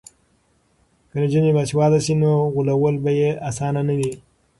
که نجونې باسواده شي نو غولول به یې اسانه نه وي.